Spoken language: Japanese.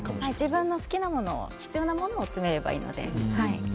自分の好きなもの必要なものを詰めればいいので。